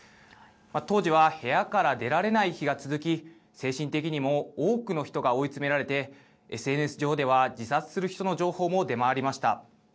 当時は部屋から出られない日が続き精神的にも多くの人が追い詰められてＳＮＳ上では自殺する人の情報も出回りました。